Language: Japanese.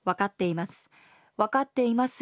分かっています。